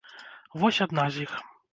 Вось адна з іх.